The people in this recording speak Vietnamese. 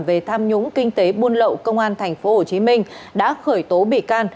về tham nhũng kinh tế buôn lậu công an tp hcm đã khởi tố bị can